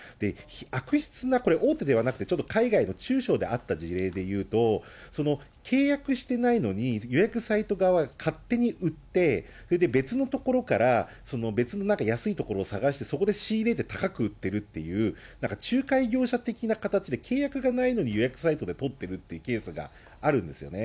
悪質なこれ、大手ではなくてちょっと海外の中小であった事例でいうと、契約してないのに、予約サイト側は勝手に売って、それで別のところから、別のなんか安い所を探して、そこで仕入れて高く売ってるっていう、なんか仲介業者的な形で、契約がないのに予約サイトで取ってるっていうケースがあるんですよね。